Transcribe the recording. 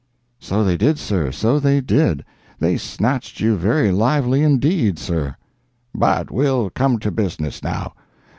"So they did, sir, so they did—they snatched you very lively indeed, sir." "But we'll come to business, now.